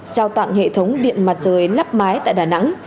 trao tặng hệ thống điện mặt trời lắp mái tại đà nẵng